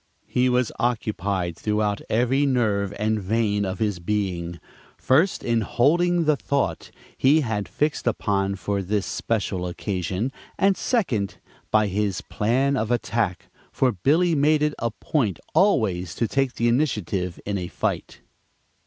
He was occupied throughout every nerve and vein of his being, first in "holding the thought" he had fixed upon for this special occasion, and second, by his plan of attack, for Billy made it a point always to take the initiative in a fight.